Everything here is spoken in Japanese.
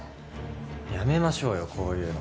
やめましょうよこういうの。